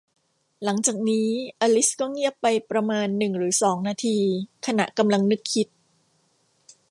หลังจากนี้ อลิซก็เงียบไปประมาณหนึ่งหรือสองนาที ขณะกำลังนึกคิด